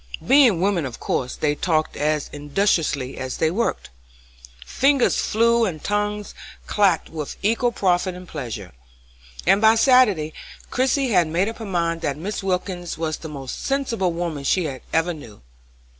Being women, of course they talked as industriously as they worked; fingers flew and tongues clacked with equal profit and pleasure, and, by Saturday, Christie had made up her mind that Mrs. Wilkins was the most sensible woman she ever knew.